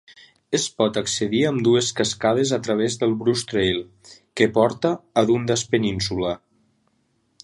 Es pot accedir a ambdues cascades a través del Bruce Trail, que porta a Dundas Peninsula.